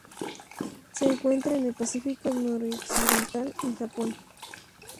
Se encuentra en el Pacífico noroccidental: en Japón.